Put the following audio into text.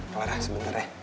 clara sebentar ya